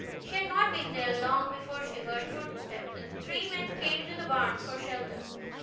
She had not been there long before she heard footsteps, and three men came into the barn for shelter.